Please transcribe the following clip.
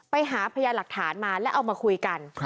ไปหาพยานหลักฐานมาแล้วเอามาคุยกัน